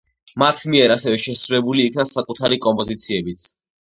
მათ მიერ ასევე შესრულებული იქნა საკუთარი კომპოზიციებიც.